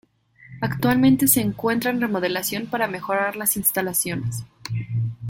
Actualmente se encuentra en remodelación para mejorar las instalaciones.